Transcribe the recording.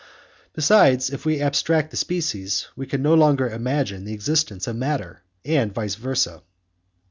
Besides, if we abstract the species, we can no longer imagine the existence of matter, and vice versa.